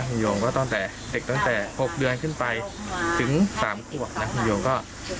คุณหยวงว่าตอนแต่เด็กตั้งแต่หกเดือนขึ้นไปถึงสามขวดนะคุณหยวงก็